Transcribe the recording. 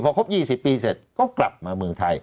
พอครบ๒๐ปีเสร็จก็กลับมาเมืองไทย